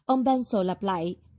ông pencil lặp lại